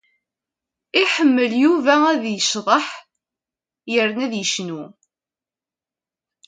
Iḥemmel Yuba ad yecḍeḥ yerna ad yecnu.